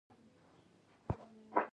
د خپلو نیکونو علمي، ادبي میراثونه یې ساتل.